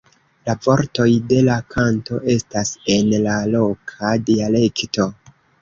La vortoj de la kanto estas en la loka dialekto.